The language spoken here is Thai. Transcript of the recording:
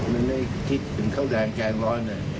มันเลยคิดถึงข้าวแดงแกงร้อน